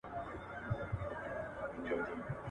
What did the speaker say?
نه په داړو کي یې زور سته د څیرلو